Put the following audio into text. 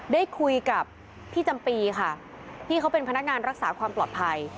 ได้คุยกับพี่จำปีค่ะพี่เขาเป็นพนักงานรักษาความปลอดภัย